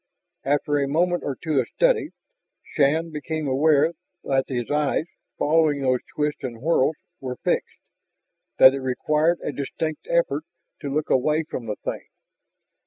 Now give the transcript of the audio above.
After a moment or two of study, Shann became aware that his eyes, following those twists and twirls, were "fixed," that it required a distinct effort to look away from the thing.